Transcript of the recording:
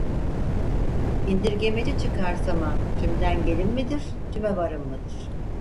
İndirgemeci çıkarsama tümdengelim midir, tümevarım mıdır?